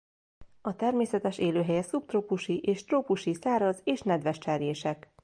A természetes élőhelye szubtrópusi és trópusi száraz és nedves cserjések.